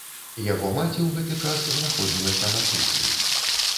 Яго маці ў гэты час знаходзілася на кухні.